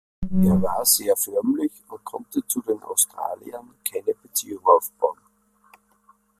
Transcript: Er war sehr förmlich und konnte zu den Australiern keine Beziehung aufbauen.